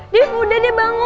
div udah deh bangun